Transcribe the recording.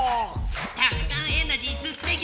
たくさんエナジーすってきな！